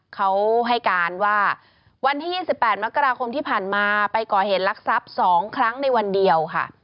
เขาให้การว่าวันที่๒๘มกราคมที่ผ่านมาไปก่อเหตุลักษัพ๒ครั้งในวันเดียวค่ะ